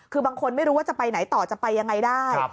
คือบางคนไม่รู้ว่าจะไปไหนต่อจะไปยังไงได้